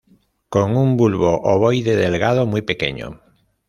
Con un bulbo ovoide delgado, muy pequeño.